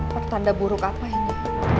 pertanda buruk apa ini